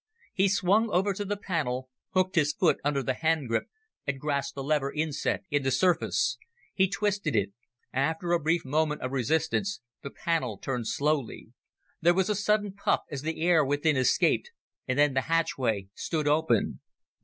He swung over to the panel, hooked his foot under the handgrip and grasped the lever inset in the surface. He twisted it. After a brief moment of resistance, the panel turned slowly. There was a sudden puff as the air within escaped, and then the hatchway stood open.